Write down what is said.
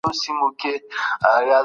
په مستقیم او غیرمستقیم ډول د استعمار څپې.